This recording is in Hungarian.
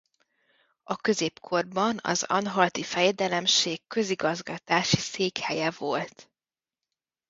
A Középkorban az anhalti fejedelemség közigazgatási székhelye volt.